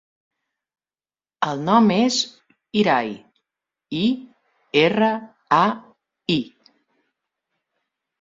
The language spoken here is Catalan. El nom és Irai: i, erra, a, i.